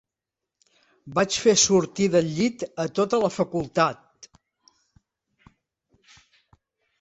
Vaig fer sortir del llit a tota la facultat.